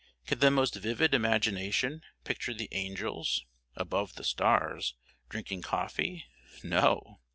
Can the most vivid imagination picture the angels (above the stars) drinking coffee? No.